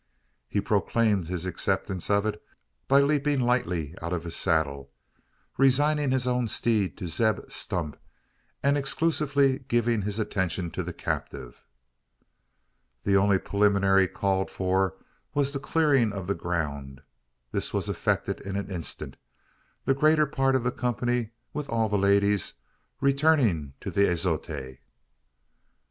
He proclaimed his acceptance of it by leaping lightly out of his saddle, resigning his own steed to Zeb Stump, and exclusively giving his attention to the captive. The only preliminary called for was the clearing of the ground. This was effected in an instant the greater part of the company with all the ladies returning to the azotea.